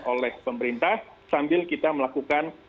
oleh pemerintah sambil kita melakukan